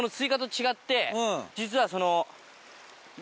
実はその。